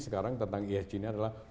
sekarang tentang esg ini adalah